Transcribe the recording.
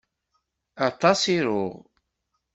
Aṭas i ruɣ.